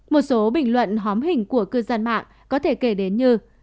một số bình luận hóm hình của cư dân mạng có thể kể đến như